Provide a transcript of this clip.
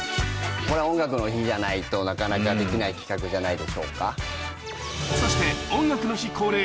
これは「音楽の日」じゃないとなかなかできない企画じゃないでしょうか？